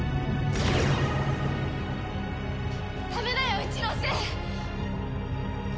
ダメだよ一ノ瀬！